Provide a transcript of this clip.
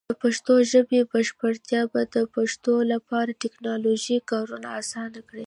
د پښتو ژبې بشپړتیا به د پښتنو لپاره د ټیکنالوجۍ کارونه اسان کړي.